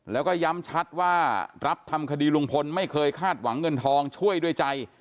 แล้วก็ย้ำชัดว่ารับทำคดีลุงพลไม่เคยคาดหวังเงินทองช่วยด้วยใจ